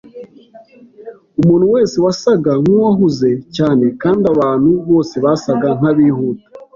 Umuntu wese wasaga nkuwahuze cyane kandi abantu bose basaga nkabihuta.